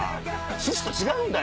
趣旨と違うんだよ